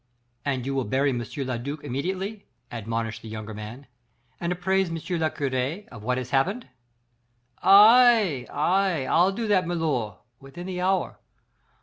"And you will bury M. le duc immediately," admonished the younger man, "and apprise M. le curé of what has happened." "Aye! aye! I'll do that, milor, within the hour.